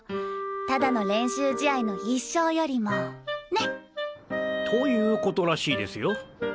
ただの練習試合の１勝よりもね。という事らしいですよ。